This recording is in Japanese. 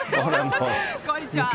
こんにちは。